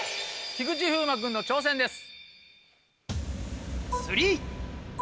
菊池風磨君の挑戦です。